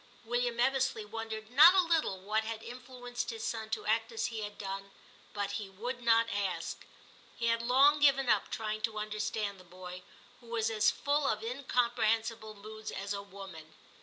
William Ebbesley wondered not a little what had influenced his son to act as he had done, but he would not ask. He had long given up trying to understand the boy, who was as full of incomprehensible moods as a woman.